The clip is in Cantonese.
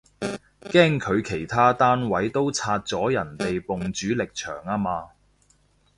驚佢其他單位都拆咗人哋埲主力牆吖嘛